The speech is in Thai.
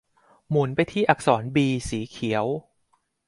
หมุนไปที่อักษรบีสีเขียว